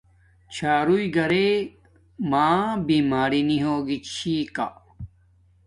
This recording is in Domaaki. چھاروݵ گھرے ما بیماری نی ہوگی چھی کا